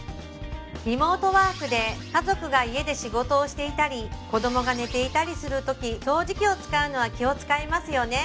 リモートワークで家族が家で仕事をしていたり子供が寝ていたりするとき掃除機を使うのは気を使いますよね